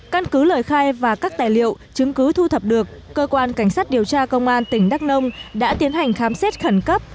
căn cứ lời khai và các tài liệu chứng cứ thu thập được cơ quan cảnh sát điều tra công an tỉnh đắk nông đã tiến hành khám xét khẩn cấp